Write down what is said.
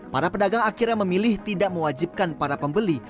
para pedagang akhirnya memilih tidak mewajibkan para pembeli